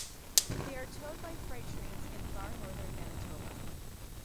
They are towed by freight trains in far northern Manitoba.